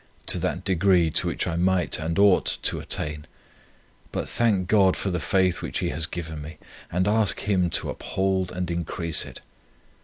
to that degree to which I might and ought to attain; but thank God for the faith which He has given me, and ask Him to uphold and increase it.